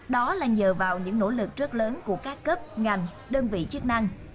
đó là nhờ vào những nỗ lực rất lớn của các cấp ngành đơn vị chức năng